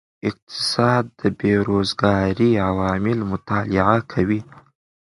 اقتصاد د بیروزګارۍ عوامل مطالعه کوي.